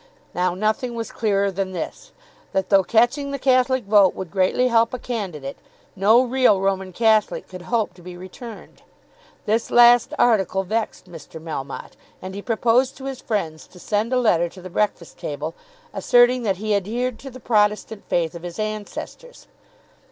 Now nothing was clearer than this, that though catching the Catholic vote would greatly help a candidate, no real Roman Catholic could hope to be returned. This last article vexed Mr. Melmotte, and he proposed to his friends to send a letter to the "Breakfast Table" asserting that he adhered to the Protestant faith of his ancestors.